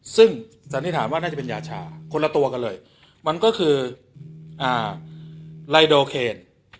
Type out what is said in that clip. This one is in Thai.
ซึ่งสันทิศฐานว่าน่าจะเป็นยาชาคนละตวกันเลย